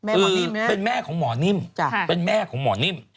คือเป็นแม่ของหมอนิ่ม